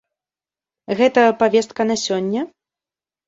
Гэта павестка на сёння?